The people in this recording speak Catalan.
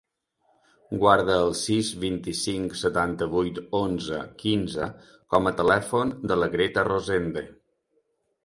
Guarda el sis, vint-i-cinc, setanta-vuit, onze, quinze com a telèfon de la Greta Rosende.